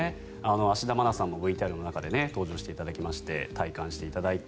芦田愛菜さんもＶＴＲの中で登場していただきまして体感していただいた。